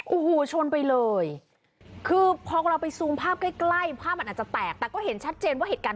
โอ้โหชนไปเลยคือพอเราไปซูมภาพใกล้ใกล้ภาพมันอาจจะแตกแต่ก็เห็นชัดเจนว่าเหตุการณ์